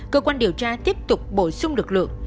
cơ quan điều tra tiếp tục bổ sung lực lượng